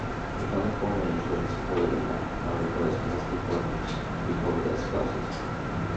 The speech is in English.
The California Insurance Equality Act now requires domestic partners to be covered as spouses.